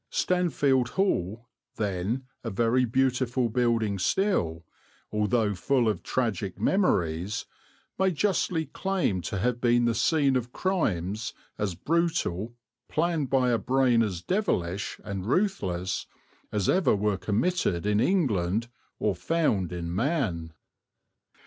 Stanfield Hall, then, a very beautiful building still, although full of tragic memories, may justly claim to have been the scene of crimes as brutal, planned by a brain as devilish and ruthless, as ever were committed in England or found in man.